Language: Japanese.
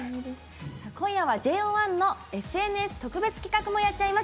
今夜はＪＯ１のＳＮＳ特別企画もやっちゃいます。